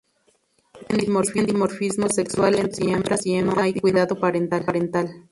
Existe dimorfismo sexual entre machos y hembras, y no hay cuidado parental.